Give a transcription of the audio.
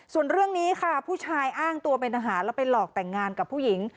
ส่วนเรื่องนี้ค่ะผู้ชายอ้างตัวเป็นทหารแล้วไปหลอกแต่งงานกับผู้หญิง